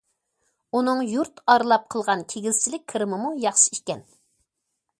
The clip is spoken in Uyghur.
ئۇنىڭ يۇرت ئارىلاپ قىلغان كىگىزچىلىك كىرىمىمۇ ياخشى ئىكەن.